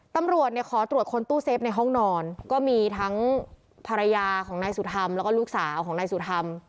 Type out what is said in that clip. ตำรวจเนี่ยขอตรวจค้นตู้เซฟในห้องนอนก็มีทั้งภรรยาของนายสุธรรมแล้วก็ลูกสาวของนายสุธรรม